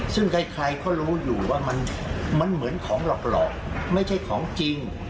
ซึ่งใครเขารู้อยู่ว่ามันเหมือนของหลอกไม่ใช่ของจริง